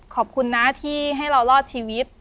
ขอบคุณนะที่ให้เรารอดชีวิต